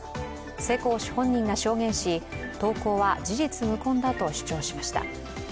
世耕氏本人が証言し、投稿は事実無根だと主張しました。